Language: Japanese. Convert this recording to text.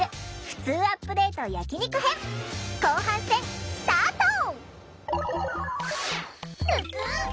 ふつうアップデート焼き肉編後半戦スタート！